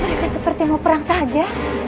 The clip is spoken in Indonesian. mereka seperti mau perang saja